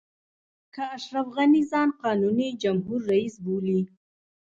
که اشرف غني ځان قانوني جمهور رئیس بولي.